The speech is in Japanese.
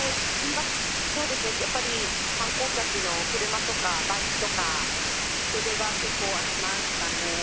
観光客の車とかバイクとか人出は結構、ありましたね。